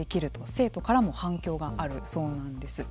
生徒からも反響があるそうなんです。